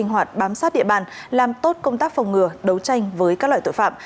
hoạt bám sát địa bàn làm tốt công tác phòng ngừa đấu tranh với các loại tội phạm